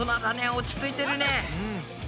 落ち着いてるね。